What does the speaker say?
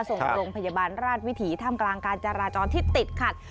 ส่งโรงพยาบาลราชวิถีท่ามกลางการจราจรที่ติดขัด